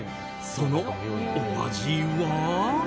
そのお味は？